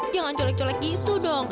jangan colek culek gitu dong